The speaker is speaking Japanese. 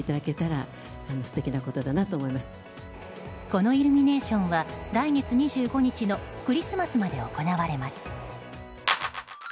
このイルミネーションは来月２５日のクリスマスまで行われます。